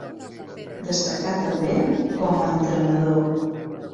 Destacà també com a entrenador.